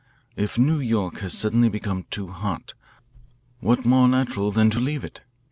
If New York has suddenly become too hot, what more natural than to leave it?